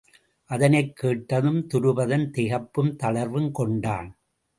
அதனைக்கேட்ட துருபதன் திகைப்பும் தளர்வும் கொண்டான்.